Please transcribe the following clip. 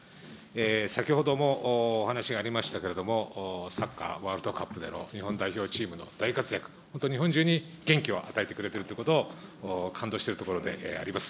先ほどもお話がありましたけれども、サッカーワールドカップでの日本代表チームの大活躍、本当に日本中に元気を与えてくれているということを、感動しているところであります。